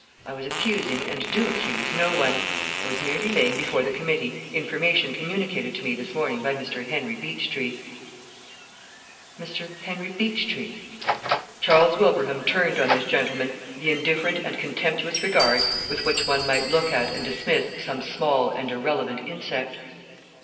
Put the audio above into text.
I was accusing and do accuse, no one; I was merely laying before the committee information communicated to me this morning by Mr. Henry Beechtree." "Mr. Henry Beechtree?" Charles Wilbraham turned on this gentleman the indifferent and contemptuous regard with which one might look at and dismiss some small and irrelevant insect.